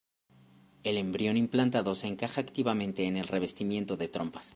El embrión implantado se encaja activamente en el revestimiento de trompas.